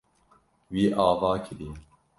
Wî ava kiriye.